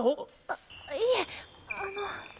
あいえあの。